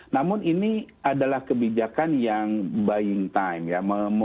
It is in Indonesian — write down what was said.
namun ini adalah kebijakan yang buying time ya